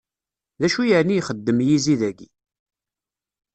D acu yeɛni ixeddem yizi dayi!